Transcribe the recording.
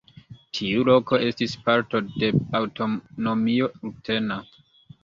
Tiu loko estis parto de aŭtonomio rutena.